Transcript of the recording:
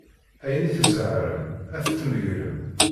Ayen i tzerεem ad t-tmegrem.